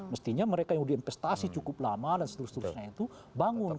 mestinya mereka yang diinvestasi cukup lama dan seterusnya itu bangun